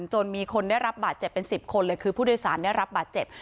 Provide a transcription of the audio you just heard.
จนมีคนได้รับบาดเจ็บเป็น๑๐คนเลยคือผู้โดยสารได้รับบาดเจ็บ